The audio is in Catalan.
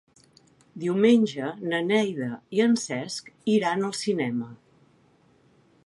Diumenge na Neida i en Cesc iran al cinema.